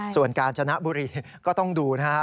ส่วนกาญจนบุรีก็ต้องดูนะครับ